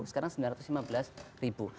sekarang sembilan ratus lima belas ribu